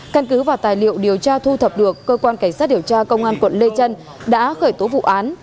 căn cứ và tài liệu điều tra thu thập được cơ quan cảnh sát điều tra công an quận lê trân đã khởi tố vụ án